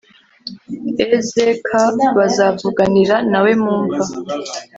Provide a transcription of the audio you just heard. ezk bazavuganira na we mu mva